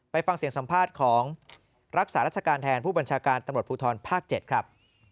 ไปฟังเสียงสัมภาษณ์ของรักษาราชการแทนผู้บัญชาการตำรวจภูทรภาค๗ครับ